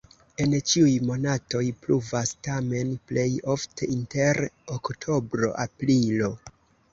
En ĉiuj monatoj pluvas, tamen plej ofte inter oktobro-aprilo.